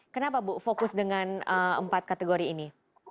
kenapa bu fokus dengan empat kategori ini